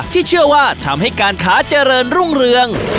ที่เชื่อว่าทำให้การค้าเจริญรุ่งเรือง